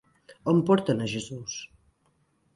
On porten a Jesús?